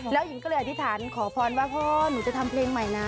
แล้วหญิงก็เลยอธิษฐานขอพรว่าพ่อหนูจะทำเพลงใหม่นะ